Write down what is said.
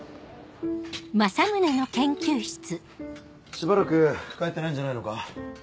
しばらく帰ってないんじゃないのか？